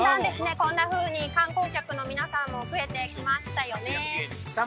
こんなふうに観光客の皆さんも増えてきましたよね